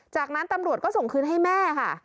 จากนั้นตำรวจก็ส่งคืนให้แม่ค่ะ